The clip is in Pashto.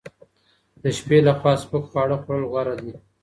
د شپې لخوا سپک خواړه خوړل غوره دي.